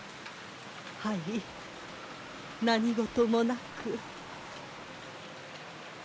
はい何事もなく。